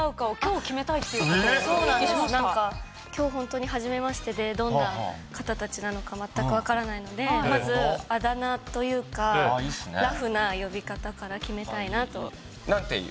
何か今日ホントに初めましてでどんな方たちなのかまったく分からないのでまずあだ名というかラフな呼び方から決めたいなと。